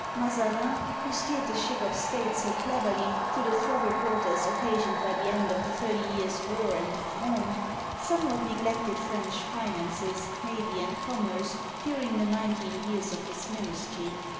Mazarin, who steered the ship of state so cleverly through the troubled waters occasioned by the end of the Thirty Years' War and the Fronde, somewhat neglected French finances, navy, and commerce during the nineteen years of his ministry.